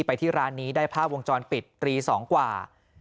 ไปที่ร้านนี้ได้ภาพวงจรปิดตี๒กว่า